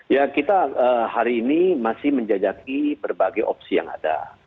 ya kita hari ini masih menjajaki berbagai opsi yang ada